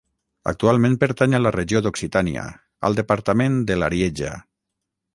Actualment pertany a la regió d'Occitània, al departament de l'Arieja.